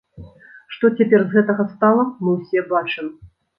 Што цяпер з гэтага стала, мы ўсе бачым.